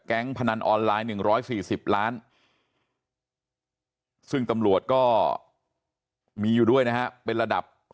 พนันออนไลน์๑๔๐ล้านซึ่งตำรวจก็มีอยู่ด้วยนะฮะเป็นระดับ